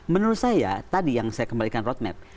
menurut saya tadi yang saya kembalikan roadmap